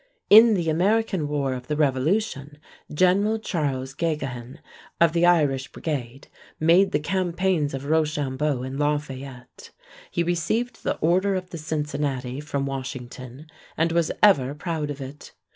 In the American war of the Revolution, General Charles Geoghegan of the Irish Brigade made the campaigns of Rochambeau and Lafayette. He received the order of the Cincinnati from Washington and was ever proud of it.